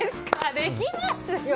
できますよ。